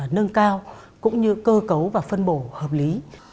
nâng cao cũng như cơ cấu và phân bổ hợp lý